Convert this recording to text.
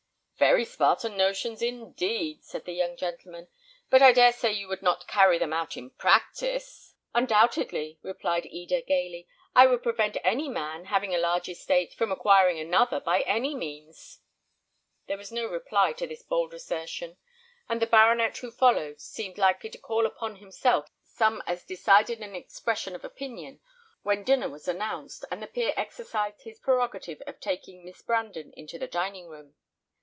"Very Spartan notions, indeed!" said the young gentleman; "but I dare say you would not carry them out in practice." "Undoubtedly," replied Eda, gaily; "I would prevent any man, having a large estate, from acquiring another by any means." There was no reply to this bold assertion; and the baronet who followed seemed likely to call upon himself some as decided an expression of opinion, when dinner was announced, and the peer exercised his prerogative of taking Miss Brandon into the dining room.